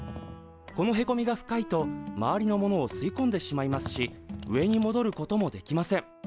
このへこみが深いと周りのものを吸いこんでしまいますし上にもどることもできません。